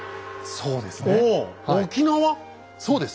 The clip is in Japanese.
そうです。